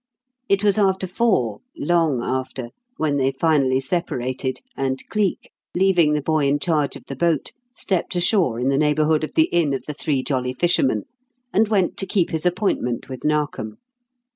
It was after four long after when they finally separated and Cleek, leaving the boy in charge of the boat, stepped ashore in the neighbourhood of the inn of the Three Jolly Fishermen and went to keep his appointment with Narkom.